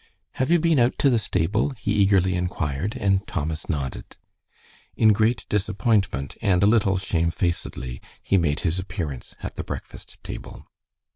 "Have you been out to the stable?" he eagerly inquired, and Thomas nodded. In great disappointment and a little shamefacedly he made his appearance at the breakfast table.